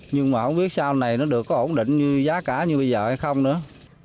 nhưng mà không biết sau này nó được có ổn định như giá cả như bây giờ hay không nữa